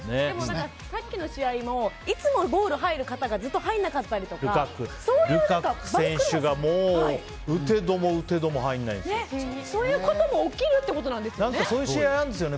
さっきの試合もいつもゴール入る方がずっと入らなかったりとかそういうルカク選手がそういうこともそういう試合あるんですよね